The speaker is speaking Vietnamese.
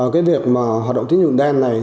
cái việc mà hoạt động tín dụng đen này